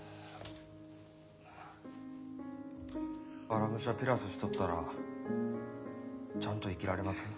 「荒武者ピラス」しとったらちゃんと生きられます？